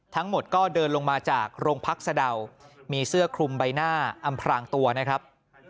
ทั้งหมดก็เดินลงมาจากโรงพักสะดาวมีเสื้อคลุมใบหน้าอำพรางตัวนะครับ